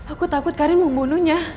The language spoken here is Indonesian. aku takut karim membunuhnya